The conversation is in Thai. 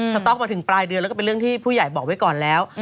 สต๊อกมาถึงปลายเดือนแล้วก็เป็นเรื่องที่ผู้ใหญ่บอกไว้ก่อนแล้ว